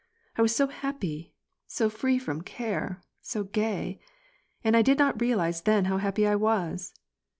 1 was so happy, so free from care, so gay ! And I did not real ize then how happy I was